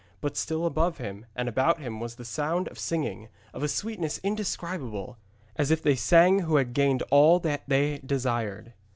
But still above him and about him was the sound of singing, of a sweetness indescribable, as if they sang who had gained all that they desired.